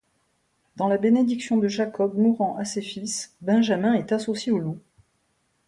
Dans la bénédiction de Jacob mourant à ses fils, Benjamin est associé au loup.